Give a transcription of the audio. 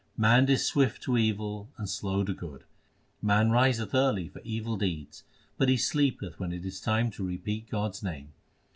Man is swift to evil and slow to good : Man riseth early for evil deeds ; But he sleepeth when it is time to repeat God s name.